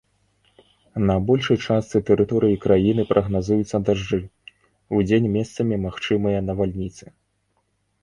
На большай частцы тэрыторыі краіны прагназуюцца дажджы, удзень месцамі магчымыя навальніцы.